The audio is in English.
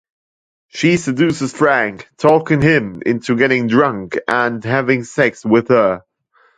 She seduces Frank, talking him into getting drunk and having sex with her.